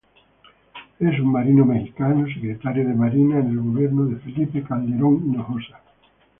Es un marino mexicano, Secretario de Marina en el Gobierno de Felipe Calderón Hinojosa.